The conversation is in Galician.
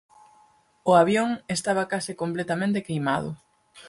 O avión estaba case completamente queimado.